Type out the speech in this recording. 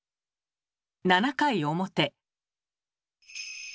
７回表。